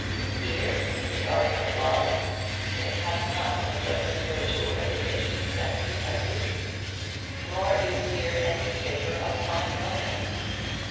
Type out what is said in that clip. Here, in the Garden of Love, they have none of those spiritual reservations and pretences. Nor is here any savour of fine romance.